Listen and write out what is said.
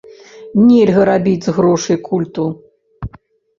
Нельга рабіць з грошай культу.